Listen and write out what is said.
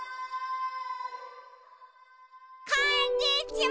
こんにちは！